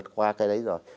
qua cái đấy rồi